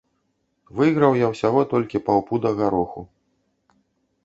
Выйграў я ўсяго толькі паўпуда гароху.